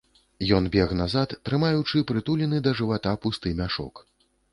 Ён бег назад, трымаючы прытулены да жывата пусты мяшок.